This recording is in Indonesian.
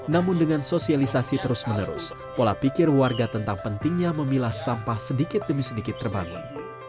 namun dengan sosialisasi terus menerus pola pikir warga tentang pentingnya memilah sampah sedikit demi sedikit terbangun